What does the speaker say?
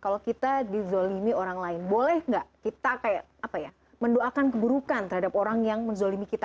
kalau kita didolimi orang lain boleh tidak kita mendoakan keburukan terhadap orang yang menzolimi kita